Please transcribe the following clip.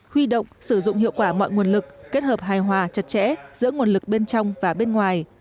huy động sử dụng hiệu quả mọi nguồn lực kết hợp hài hòa chặt chẽ giữa nguồn lực bên trong và bên ngoài